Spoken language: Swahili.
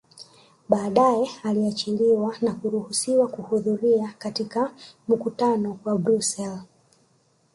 Badae aliachiliwa na kuruhusiwa kuhudhuria katika mkutano wa Brussels